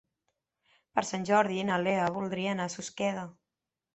Per Sant Jordi na Lea voldria anar a Susqueda.